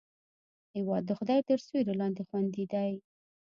هېواد د خدای تر سیوري لاندې خوندي دی.